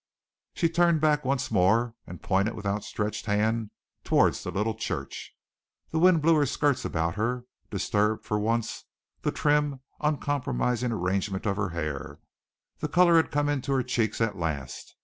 She turned back once more and pointed with outstretched hand towards the little church. The wind blew her skirts about her, disturbed for once the trim, uncompromising arrangement of her hair. The color had come into her cheeks at last.